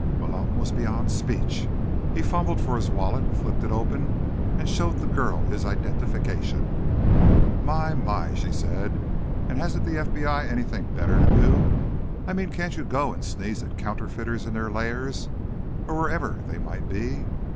Malone was beyond speech. He fumbled for his wallet, flipped it open and showed the girl his identification. "My, my," she said. "And hasn't the FBI anything better to do? I mean, can't you go and sneeze at counterfeiters in their lairs, or wherever they might be?"